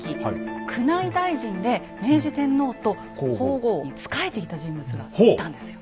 宮内大臣で明治天皇と皇后に仕えていた人物がいたんですよ。